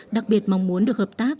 đặc biệt mong muốn được hợp tác